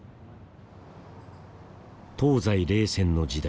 東西冷戦の時代